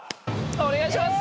お願いします！